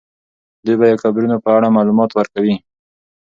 دوی به د قبرونو په اړه معلومات ورکوي.